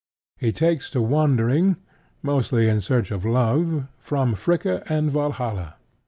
He takes to wandering, mostly in search of love, from Fricka and Valhalla.